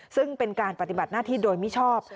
ซึ่งเป็นการปฏิบัติหน้าที่โดยมิชอบ